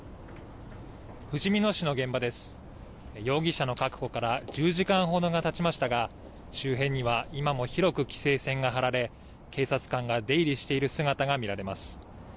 容疑者の確保から１０時間ほどがたちましたが周辺には今も広く規制線が張られ警察官が出入りしている姿が見られます。